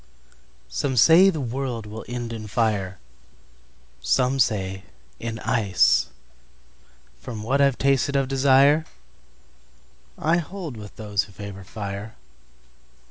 SOME say the world will end in fire, Some say in ice. From what I've tasted of desireI hold with those who favor fire.